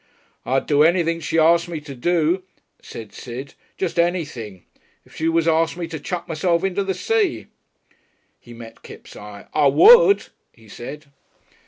"I'd do anything she asked me to do," said Sid "just anything. If she was to ask me to chuck myself into the sea." He met Kipps' eye. "I would," he said.